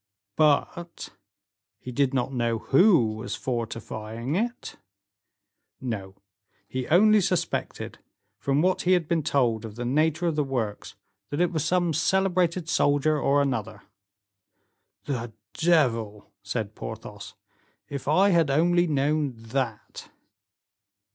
"But he did not know who was fortifying it?" "No, he only suspected, from what he had been told of the nature of the works, that it was some celebrated soldier or another." "The devil!" said Porthos, "if I had only known that!"